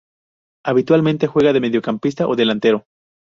Habitualmente juega de mediocampista o delantero.